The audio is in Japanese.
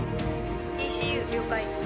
ＥＣＵ了解。